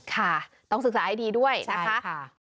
ค่ะต้องศึกษาให้ดีด้วยนะคะ